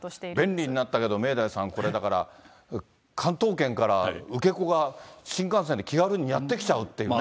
便利になったけど、明大さん、これ、だから、関東圏から受け子が新幹線で気軽にやって来ちゃうってね。